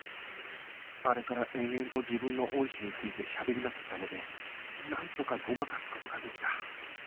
あれから延々と自分の恩師についてしゃべりまくったのでなんとかごまかす事ができた